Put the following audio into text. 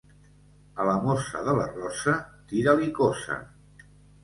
A la mossa de la rossa, tira-li coça.